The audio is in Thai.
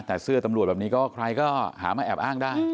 แต่เสื้อตำรวจแบบนี้ก็ใครก็หามาแอบอ้างได้